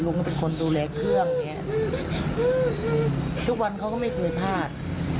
ลุงเค้าเป็นคนดูแลเครื่องทุกวันเค้าก็ไม่เคยพลาด